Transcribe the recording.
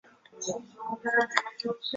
授兵部武选司主事。